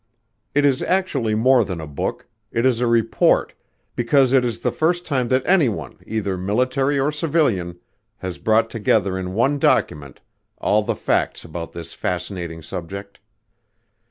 It is actually more than a book; it is a report because it is the first time that anyone, either military or civilian, has brought together in one document all the facts about this fascinating subject.